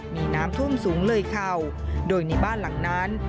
มีน้ำท่วมสูงเลยเข่าโดยในบ้านหลังนั้น